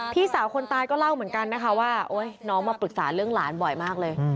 พี่สาวคนตายก็เล่าเหมือนกันนะคะว่าน้องมาปรึกษาเรื่องหลานบ่อยมากเลย